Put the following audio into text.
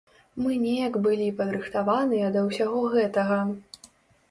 Мы неяк былі падрыхтаваныя да ўсяго гэтага.